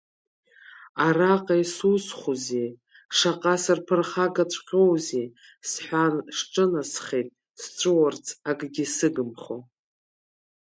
Араҟа исусхәузеи, шаҟа сырԥырхагаҵәҟьоузеи, — сҳәан, сҿынасхеит, сҵәуарц, акгьы сыгымхо.